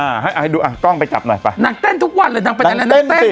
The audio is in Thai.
อ่าให้อ่าให้ดูอ่ะกล้องไปจับหน่อยไปนักเต้นทุกวันเลยนักเต้นนักเต้น